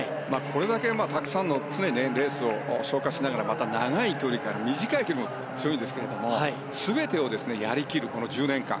これだけたくさんのレースを消化しながらまた、長い距離から短い距離も強いですけれども全てをやりきる、この１０年間。